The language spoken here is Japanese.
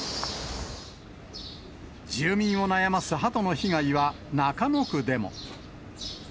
住民を悩ますハトの被害は中野区でも。